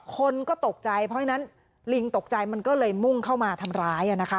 คนก็ตกใจเพราะฉะนั้นลิงตกใจมันก็เลยมุ่งเข้ามาทำร้ายนะคะ